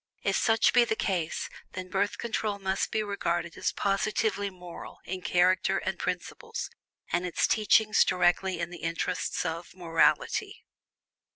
If such be the case, then Birth Control must be regarded as positively "moral" in character and principles, and its teachings directly in the interests of "morality."